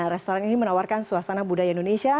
restoran ini menawarkan suasana budaya indonesia